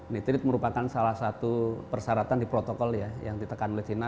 nitrit merupakan salah satu persyaratan di protokol ya yang ditekan oleh china